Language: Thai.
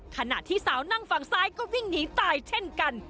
ขณะที่สาวนั่งฝั่งซ้ายก็วิ่งหนีตายเช่นกัน